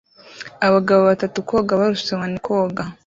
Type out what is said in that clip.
Abagabo batatu koga barushanwa ni koga